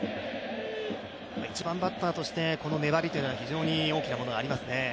一番バッターとしてこの粘りというのは、非常に大きなものがありますね。